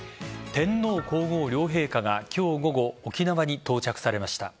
天皇皇后両陛下が今日午後沖縄に到着されました。